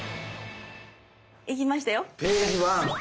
いきましたよ。